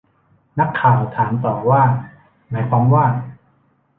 นักข่าวถามต่อว่าหมายความว่า